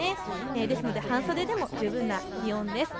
ですので半袖でも十分な気温です。